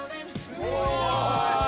うわ！